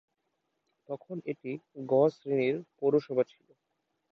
তখন এটি গ শ্রেণীর পৌরসভা ছিল।